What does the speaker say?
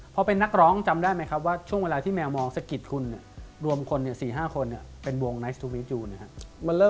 พอเป็นนักร้องจำได้ไหมครับ